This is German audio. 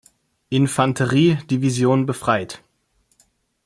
Infanterie-Division befreit.